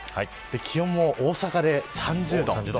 気温も大阪で３０度。